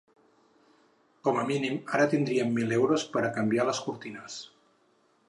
Com a mínim ara tendríem mil euros per a canviar les cortines.